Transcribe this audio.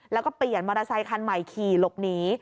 แล้วก็เปลี่ยนมอเตอร์ไซคันใหม่ขี่หลบหนี